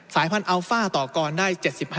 พันธุอัลฟ่าต่อกรได้๗๕